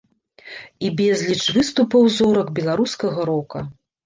І безліч выступаў зорак беларускага рока.